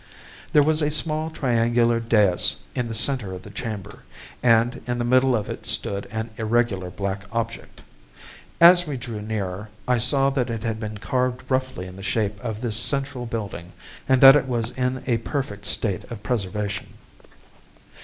There was a small triangular dais in the center of the chamber, and in the middle of it stood an irregular black object. As we drew nearer, I saw that it had been carved roughly in the shape of this central building and that it was in a perfect state of preservation.